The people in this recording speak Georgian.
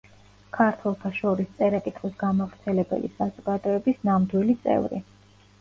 ქართველთა შორის წერა-კითხვის გამავრცელებელი საზოგადოების ნამდვილი წევრი.